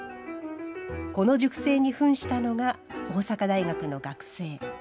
この塾生にふんしたのが大阪大学の学生。